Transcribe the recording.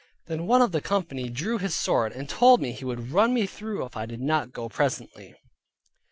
Then one of the company drew his sword, and told me he would run me through if I did not go presently.